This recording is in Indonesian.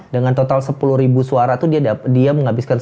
dengan total sepuluh ribu suara itu dia menghabiskan